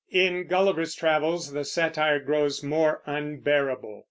In Gulliver's Travels the satire grows more unbearable.